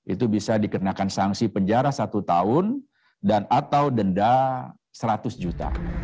itu bisa dikenakan sanksi penjara satu tahun dan atau denda seratus juta